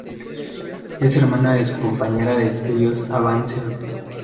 Es hermana de su compañera de estudios Avance.